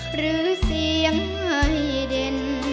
หรือเสียงให้เด่น